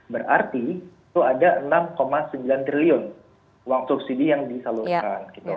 berarti itu ada enam sembilan triliun uang subsidi yang disalurkan